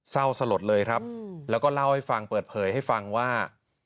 สลดเลยครับแล้วก็เล่าให้ฟังเปิดเผยให้ฟังว่า